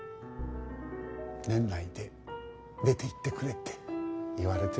年内で出ていってくれって言われてんねん。